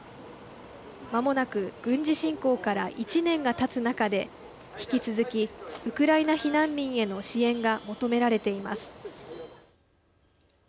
間もなく軍事侵攻から１年がたつ中で引き続きウクライナ避難民への支援が求められています。